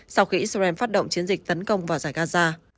sau khi israel phát động chiến dịch tấn công vào giải gaza